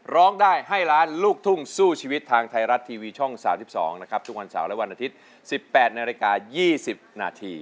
ร้องได้ให้ล้านลูกทุ่งสู้ชีวิตทางไทยรัฐทีวีช่อง๓๒นะครับทุกวันเสาร์และวันอาทิตย์๑๘นาฬิกา๒๐นาที